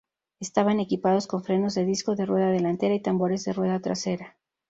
Estaban equipados con frenos de disco de rueda delantera y tambores de rueda trasera.